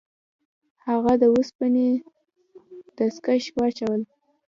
هغه د اوسپنې دستکش واچول.